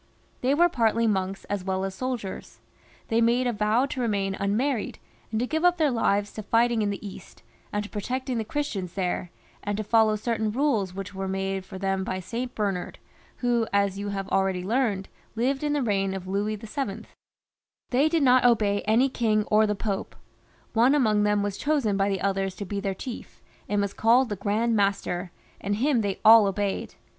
They were partly monks as weU as soldiers ; they made a vow to remain unmarried, and to give up their lives to fighting in the East, and to protecting the Chris tians there, and to follow certain rules which were made for them by St. Bernard, who, as you have abeady heard, lived in the reign of Louis VIL They did not obey any king or the Pope. One among them was chosen by the others to be their chief, and was called the Grand Master, and him they all obeyed.